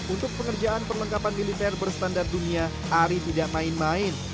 untuk pengerjaan perlengkapan militer berstandar dunia ari tidak main main